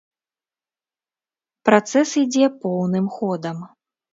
Працэс ідзе поўным ходам.